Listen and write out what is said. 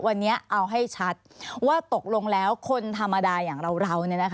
วันนี้เอาให้ชัดว่าตกลงแล้วคนธรรมดาอย่างเรา